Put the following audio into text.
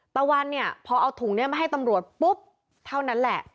ตะวันเนี่ยพอเอาถุงนี้มาให้ตำรวจปุ๊บเท่านั้นแหละ